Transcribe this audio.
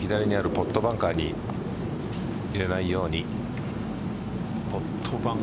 ポットバンカーに入れないように。